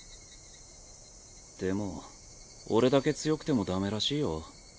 でも俺だけ強くてもダメらしいよ。